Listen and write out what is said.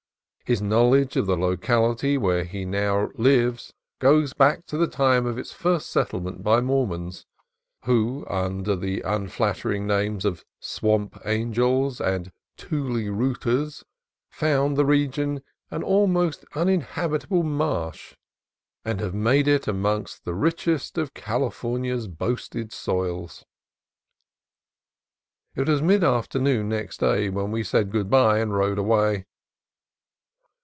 His knowledge of the locality where he now lives goes back to the time of its first settlement by Mormons, who, under the unflattering names of "swamp angels" and " tule rooters," found the re gion an all but uninhabitable marsh, and have made it almost the richest of California's boasted soils. It was mid afternoon next day when we said good bye and rode away.